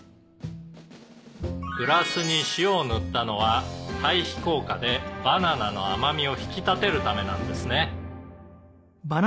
「グラスに塩を塗ったのは対比効果でバナナの甘味を引き立てるためなんですね」